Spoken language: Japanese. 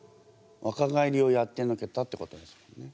わか返りをやってのけたってことですもんね。